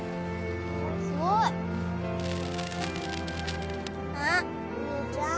すごい。あっ兄ちゃん